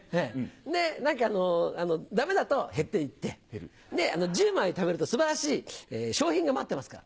で、なんかだめだと減っていって、１０枚ためるとすばらしい商品が待ってますから。